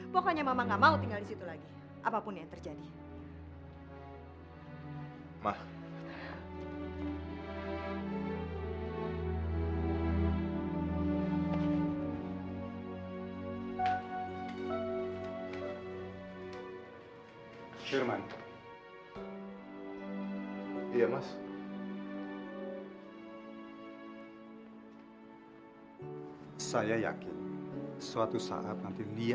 pokoknya mama tidak mau tinggal di situ lagi